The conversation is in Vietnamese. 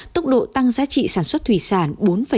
tốc độ tăng giá trị sản xuất thủy sản